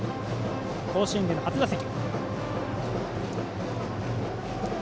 甲子園での初打席。